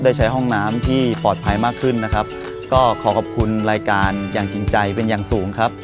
ได้ใช้ห้องน้ำที่ปลอดภัยมากขึ้นนะครับก็ขอขอบคุณรายการอย่างจริงใจเป็นอย่างสูงครับ